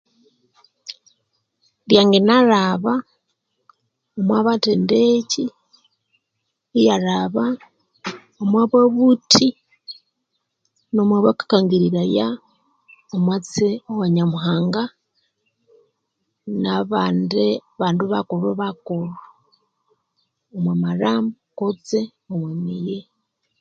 Yangina lhaba omu bathendekyi iya lhaba omu babuthi nomu bakathukangiriraya omwatsi wa Nyamuhanga nabandi bandu bakulhu-bakulhu omwa malhambo kutse omu miyi